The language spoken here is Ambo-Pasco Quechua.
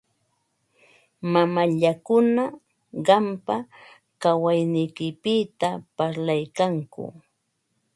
Mamallakuna qampa kawayniykipita parlaykanku.